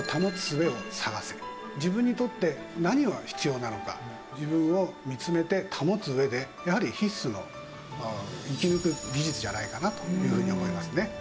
自分にとって何が必要なのか自分を見つめて保つ上でやはり必須の生き抜く技術じゃないかなというふうに思いますね。